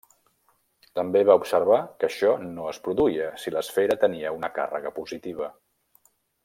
També va observar que això no es produïa si l'esfera tenia una càrrega positiva.